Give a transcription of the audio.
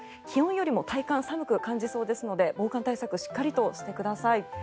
気温よりも体感、寒く感じそうですので防寒対策をしっかりしてください。